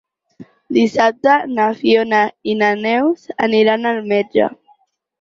Dissabte na Fiona i na Neus aniran al metge.